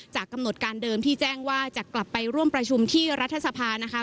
กำหนดการเดิมที่แจ้งว่าจะกลับไปร่วมประชุมที่รัฐสภานะคะ